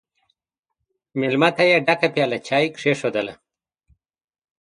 مېلمه ته یې ډکه پیاله چای کښېښودله!